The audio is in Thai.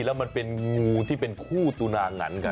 แล้วมันเป็นงูที่เป็นคู่ตุนางันกัน